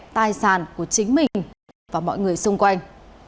tài sản của chính mình và mọi người xung quanh